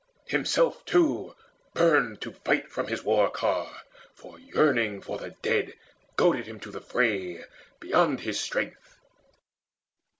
Himself too burned to fight From his war car; for yearning for the dead Goaded him to the fray beyond his strength.